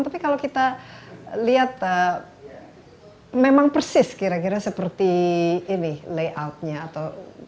tapi kalau kita lihat memang persis kira kira seperti ini layoutnya atau